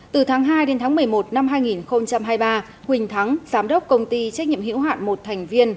từ tháng hai đến tháng một mươi một năm hai nghìn hai mươi ba huỳnh thắng giám đốc công ty trách nhiệm hữu hạn một thành viên